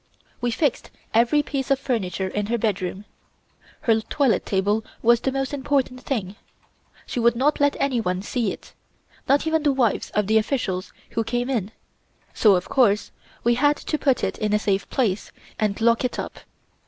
We fixed every piece of furniture in her bedroom. Her toilet table was the most important thing. She would not let anyone see it not even the wives of the Officials who came in, so of course we had to put it in a safe place, and lock it up.